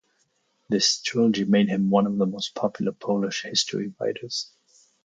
This trilogy made him one of the most popular Polish history writers.